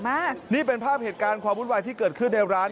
มากนี่เป็นภาพเหตุการณ์ความวุ่นวายที่เกิดขึ้นในร้าน